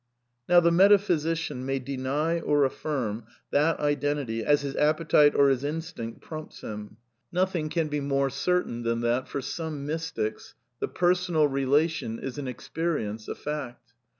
Now, the metaphysician may deny or affirm that identity as his appetite or his instinct prompts him. !N^othing can {^ THE NEW MYSTICISM 281 be more certain than that, for some mystics, the personal relation is an experience, a fact.